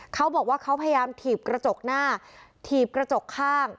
เขาบอกว่าเขาพยายามถีบกระจกหน้าถีบกระจกข้าง